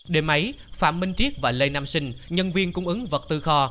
đêm ấy phạm minh triết và lê nam sinh nhân viên cung ứng vật tư kho